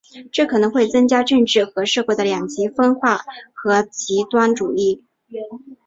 这可能会增加政治和社会的两极分化和极端主义。